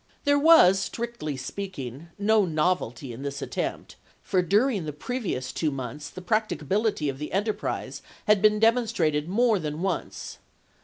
There was, strictly speaking, no novelty in this attempt, for during the previous two months the practicability of the enterprise had been demon strated more than once.